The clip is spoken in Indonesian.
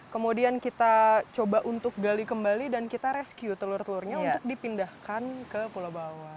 kemudian kita coba untuk gali kembali dan kita rescue telur telurnya untuk dipindahkan ke pulau bawah